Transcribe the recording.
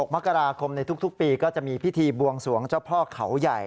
มกราคมในทุกปีก็จะมีพิธีบวงสวงเจ้าพ่อเขาใหญ่